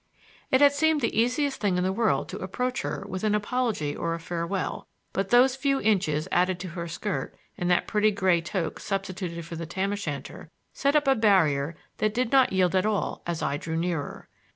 It had seemed the easiest thing in the world to approach her with an apology or a farewell, but those few inches added to her skirt and that pretty gray toque substituted for the tam o' shanter set up a barrier that did not yield at all as I drew nearer.